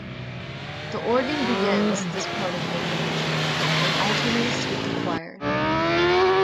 The organ begins this part of the liturgy and alternates with the choir.